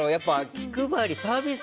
気配りサービス